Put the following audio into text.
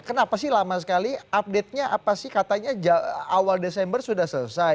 kenapa sih lama sekali update nya apa sih katanya awal desember sudah selesai